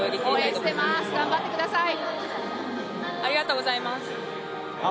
応援しています、頑張ってください。